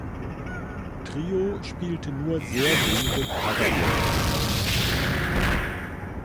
Trio spielte nur sehr wenige Cover-Versionen.